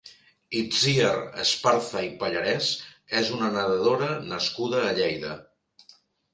Itziar Esparza i Pallarés és una nedadora nascuda a Lleida.